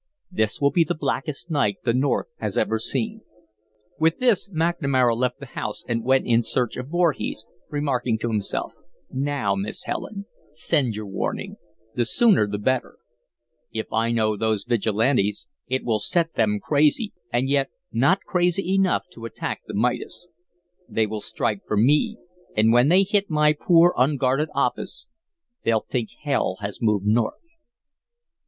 This will be the blackest night the North has ever seen." With this McNamara left the house and went in search of Voorhees, remarking to himself: "Now, Miss Helen send your warning the sooner the better. If I know those Vigilantes, it will set them crazy, and yet not crazy enough to attack the Midas. They will strike for me, and when they hit my poor, unguarded office, they'll think hell has moved North."